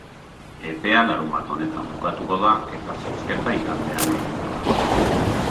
Epea larunbat honetan bukatuko da eta zozketa igandean egingo da.